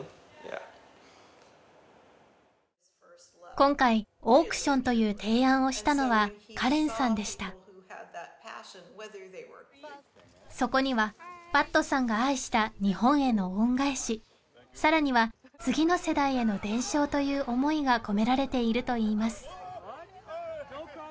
今回オークションという提案をしたのはカレンさんでしたそこにはパットさんが愛した日本への恩返しさらには次の世代への伝承という思いが込められているといいます